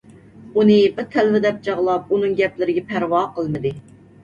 ئۇنى بىر تەلۋە دەپ چاغلاپ، ئۇنىڭ گەپلىرىگە پەرۋا قىلمىدى.